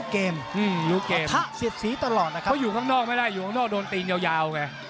เขาอยู่ข้างนอกไม่ได้อยู่ข้างนอกโดนตีเยาวใย